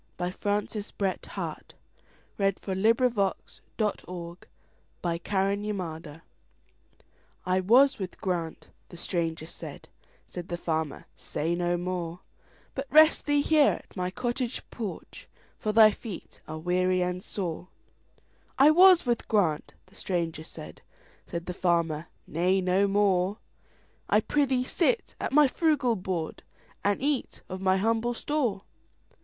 By Francis BretHarte 748 The Aged Stranger "I WAS with Grant"—the stranger said; Said the farmer, "Say no more, But rest thee here at my cottage porch, For thy feet are weary and sore.""I was with Grant"—the stranger said; Said the farmer, "Nay, no more,—I prithee sit at my frugal board, And eat of my humble store.